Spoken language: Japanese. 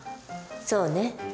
そうね。